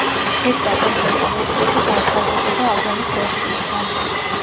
ეს საკონცერტო ვერსიები განსხვავდებოდა ალბომის ვერსიისგან.